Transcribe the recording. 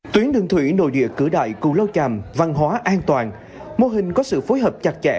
tuyến đường thủy nội địa cửa đại cù lao chàm văn hóa an toàn mô hình có sự phối hợp chặt chẽ